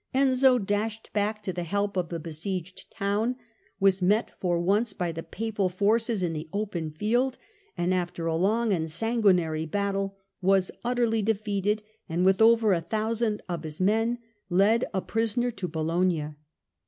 Enzio dashed back to the help of the besieged town, was met for once by the Papal forces in the open field, and after a long and sanguinary battle, was utterly defeated and, with over a thousand of his men, led a prisoner to Bologna.